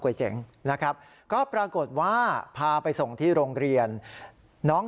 เจ๋งนะครับก็ปรากฏว่าพาไปส่งที่โรงเรียนน้อง